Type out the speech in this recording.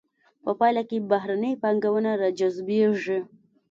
په پایله کې بهرنۍ پانګونه را جذبیږي.